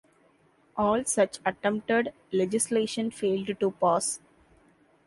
All such attempted legislation failed to pass.